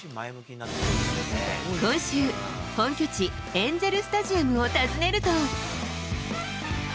今週、本拠地、エンゼル・スタジアムを訪ねると。